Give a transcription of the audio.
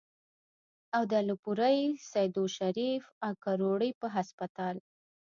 او د الپورۍ ، سېدو شريف ، او کروړې پۀ هسپتال